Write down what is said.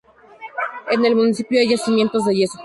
En el municipio hay yacimientos de yeso.